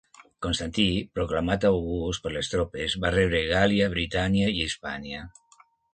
Constantí, proclamat "August" per les tropes, va rebre Gàl·lia, Britània i Hispània.